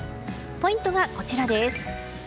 ポイントがこちらです。